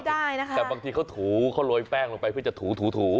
แต่บางทีเขาถูเขาโรยแป้งลงไปเพื่อจะถูถูถู